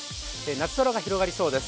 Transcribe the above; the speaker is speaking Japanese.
夏空が広がりそうです。